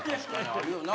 あるよな